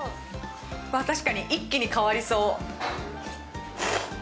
確かに、一気に変わりそう。